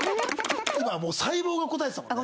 もう細胞が答えてたもんね。